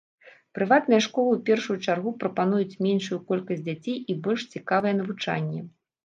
Прыватныя школы ў першую чаргу прапануюць меншую колькасць дзяцей і больш цікавае навучанне.